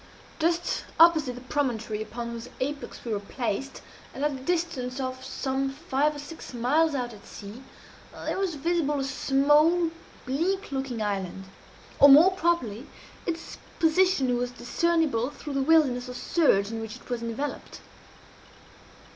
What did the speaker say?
Just opposite the promontory upon whose apex we were placed, and at a distance of some five or six miles out at sea, there was visible a small, bleak looking island; or, more properly, its position was discernible through the wilderness of surge in which it was enveloped.